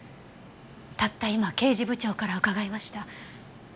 たった今刑事部長からうかがいました。